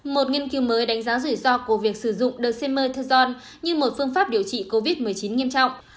một nghiên cứu mới đánh giá rủi ro của việc sử dụng demerthon như một phương pháp điều trị covid một mươi chín nghiêm trọng